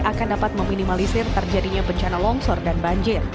akan dapat meminimalisir terjadinya bencana longsor dan banjir